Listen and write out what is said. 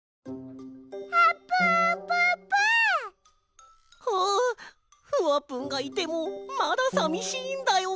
あぷぷぷ！はあふわぷんがいてもまださみしいんだよ。